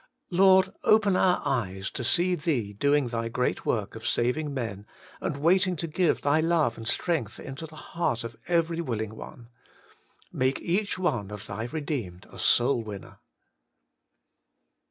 3. Lord ! open our eyes to see Thee doing Thy great work of saving men, and waiting to give Thy love and strength into the heart of every willing one. Make each one of Thy redeemed a soul winner.